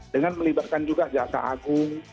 dengan melibatkan juga jaksa agung